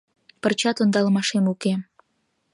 — Пырчат ондалымашем уке.